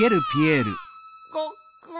ごっくん。